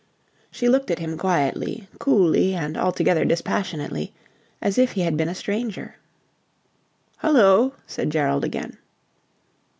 She looked at him quietly, coolly and altogether dispassionately, as if he had been a stranger. "Hullo!" said Gerald again.